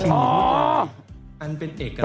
ใช่ใช่